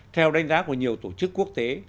theo đánh giá của nhiều tổ chức quốc tế